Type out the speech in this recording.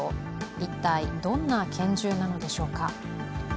一体どんな拳銃なのでしょうか。